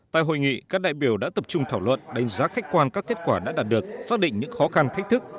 tại hội nghị các đại biểu đã tập trung thảo luận đánh giá khách quan các kết quả đã đạt được xác định những khó khăn thách thức